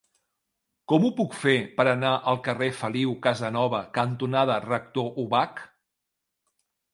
Com ho puc fer per anar al carrer Feliu Casanova cantonada Rector Ubach?